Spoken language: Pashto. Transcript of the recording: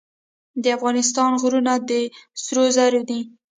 د افغانستان غرونه د سرو زرو دي